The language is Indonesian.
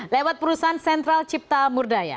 lewat perusahaan sentral cipta murdaya